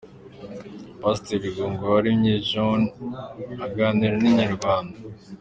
Pasiteri Rwungurubwenge John aganira na Inyarwanda.